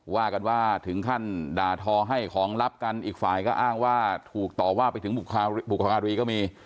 ว่ากันว่าถึงขั้นด่าทอให้ของลับกันอีกฝ่ายก็อ้างว่าถูกต่อว่าไปถึงบุคอารีก็มี